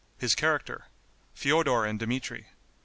His Character. Feodor and Dmitri.